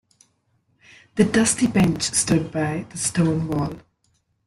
The dusty bench stood by the stone wall.